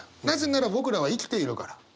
なぜなら僕らは生きているから。